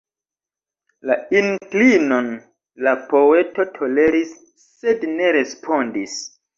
La inklinon la poeto toleris sed ne respondis.